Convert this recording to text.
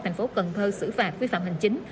thành phố cần thơ xử phạt vi phạm hành chính